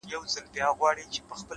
خاموشه هڅه هېڅ نه ضایع کېږي,